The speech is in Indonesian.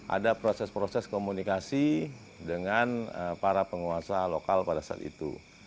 ada proses proses komunikasi dengan para penguasa lokal pada saat itu